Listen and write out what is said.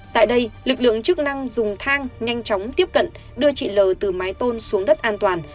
tại đây lực lượng chức năng dùng thang nhanh chóng tiếp cận đưa chị l từ mái tôn xuống đất an toàn